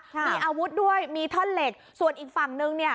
มีอาวุธด้วยมีท่อนเหล็กส่วนอีกฝั่งนึงเนี่ย